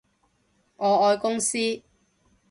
我愛公司